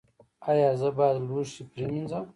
ایا زه باید لوښي پریمنځم؟